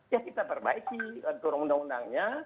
ya kita perbaiki aturan perundang undangnya